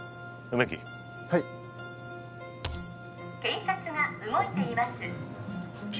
梅木はい警察が動いています